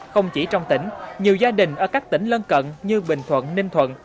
không chỉ trong tỉnh nhiều gia đình ở các tỉnh lân cận như bình thuận ninh thuận